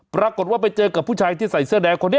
ปรากฏว่าไปเจอกับผู้ชายที่ใส่เสื้อแดงคนนี้